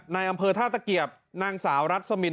ในอำเภอท่าตะเกียบนางสาวรัสมิน